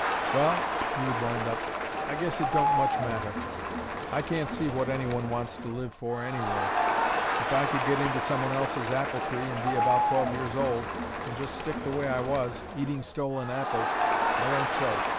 "Well," he would wind up, "I guess it don't much matter. I can't see what any one wants to live for, anyway. If I could get into some one else's apple tree, and be about twelve years old, and just stick the way I was, eating stolen apples, I won't say.